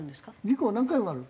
事故は何回もある。